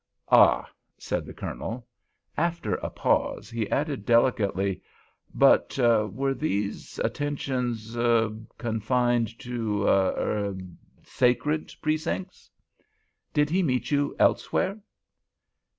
"Ah," said the Colonel. After a pause he added, delicately: "But were these attentions—er—confined to—er— sacred precincts? Did he meet you elsewhere?"